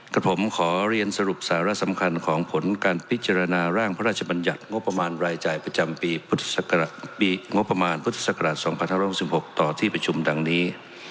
กับผมขอเรียนสรุปสาระสำคัญของผลการพิจารณาร่างพระราชบัญญัติงบประมาณรายจ่ายประจำปีงบประมาณพุทธศักราช๒๕๖๖ต่อที่ประชุมดังนี้